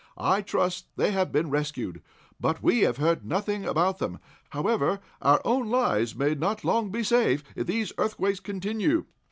I trust they have been rescued, but we have heard nothing about them. However, our own lives may not long be safe, if these earthquakes continue."